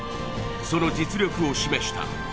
その実力を示した。